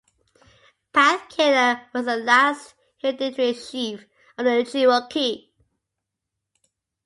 Pathkiller was the last "hereditary chief" of the Cherokee.